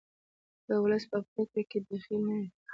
که ولس په پریکړو کې دخیل نه وي